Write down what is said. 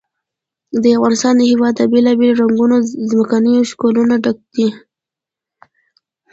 د افغانستان هېواد له بېلابېلو او رنګینو ځمکنیو شکلونو ډک دی.